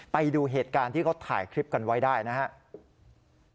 ไปดูเหตุการณ์ที่เขาถ่ายคลิปกันไว้ได้นะครับ